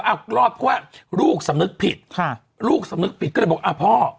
รอดเพราะว่าลูกสำนึกผิดค่ะลูกสำนึกผิดก็เลยบอกอ่าพ่อ